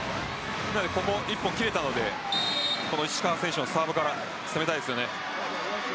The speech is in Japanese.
ここで１本、切れたので石川選手のサーブから攻めたいです。